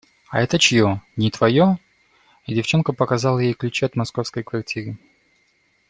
– А это чье? Не твое? – И девчонка показала ей ключ от московской квартиры.